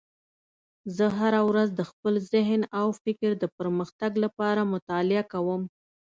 زه هره ورځ د خپل ذهن او فکر د پرمختګ لپاره مطالعه کوم